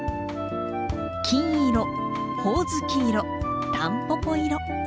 金色ほおずき色たんぽぽ色。